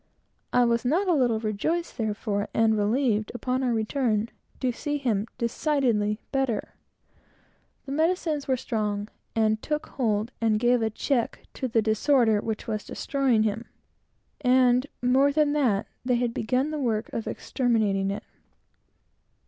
I was not a little rejoiced, therefore, and relieved, upon our return, to see him decidedly better. The medicines were strong, and took hold and gave a check to the disorder which was destroying him; and, more than that, they had begun the work of exterminating it.